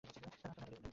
রাস্তা ঝাড়ু দিবো।